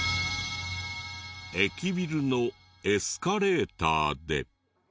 駅ビルのエスカレーターで。